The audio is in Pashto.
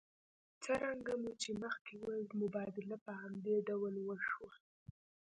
څرنګه مو چې مخکې وویل مبادله په همدې ډول وشوه